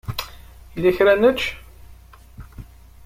Yella kra ara nečč?